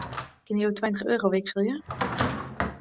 Kinne jo tweintich euro wikselje?